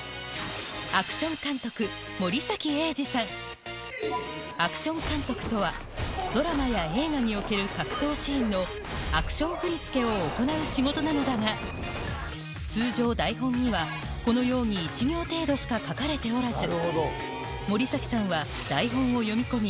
まずアクション監督とはドラマや映画における格闘シーンのアクション振り付けを行う仕事なのだが通常台本にはこのように１行程度しか書かれておらず森さんは台本を読み込み